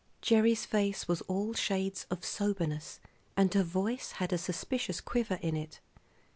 Gerry's face was all shades of soberness, and her voice had a suspicious quiver in it.